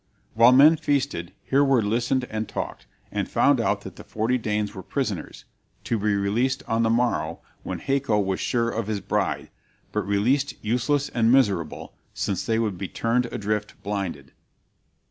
While men feasted Hereward listened and talked, and found out that the forty Danes were prisoners, to be released on the morrow when Haco was sure of his bride, but released useless and miserable, since they would be turned adrift blinded.